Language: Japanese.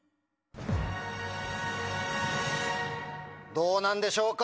どうなんでしょうか？